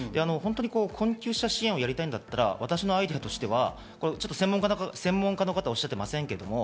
困窮者支援をやりたいんだったら私のアイデアとしては専門家の方がおっしゃっていませんけど。